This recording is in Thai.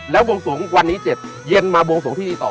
แล้ววงสวงวันนี้เจ็ดเย็นมาวงสวงพิธีต่อ